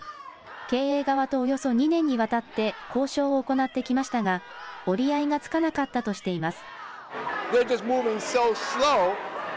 経営側とおよそ２年にわたって交渉を行ってきましたが、折り合いがつかなかったとしています。